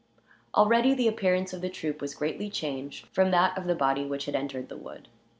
Already the appearance of the troop was greatly changed from that of the body which had entered the wood.